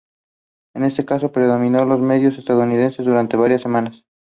Este caso predominó los medios estadounidenses durante varias semanas.